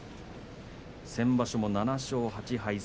先場所も７勝８敗。